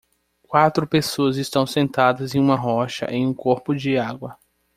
Quatro pessoas estão sentadas em uma rocha em um corpo de água.